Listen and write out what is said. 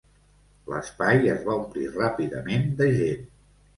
L'espai es va omplir ràpidament de gent.